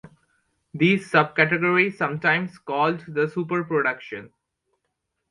This subcategory sometimes called the "Super Production".